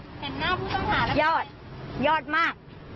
เห็นหน้าผู้ต้องหาแล้วยอดยอดมาก